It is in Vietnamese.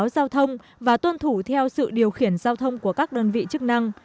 giao thông và tuân thủ theo sự điều khiển giao thông của các đơn vị chức năng